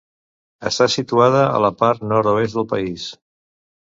Està situada a la part nord-oest del país.